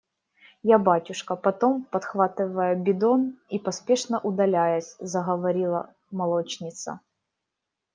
– Я, батюшка, потом. – подхватывая бидон и поспешно удаляясь, заговорила молочница.